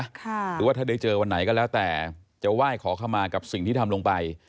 หรือว่าถ้าได้เจอวันไหนก็แล้วแต่จะไหว้ขอเข้ามากับสิ่งที่ทำลงไป